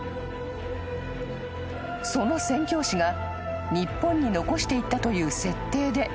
［その宣教師が日本に残していったという設定で］